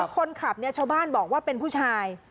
คนขับเนี่ยชาวบ้านบอกว่าเป็นผู้ชาย